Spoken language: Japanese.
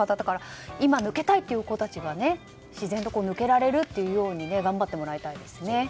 今抜けたいという子たちが自然と抜けられるというように頑張ってもらいたいですね。